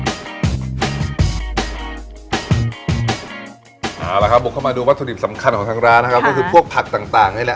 เอาละครับบุกเข้ามาดูวัตถุดิบสำคัญของทางร้านนะครับก็คือพวกผักต่างนี่แหละ